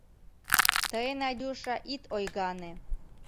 — Тый, Надюша, ит ойгане.